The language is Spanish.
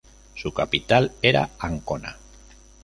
Su capital era Ancona.